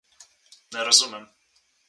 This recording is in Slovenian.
Ne razumem.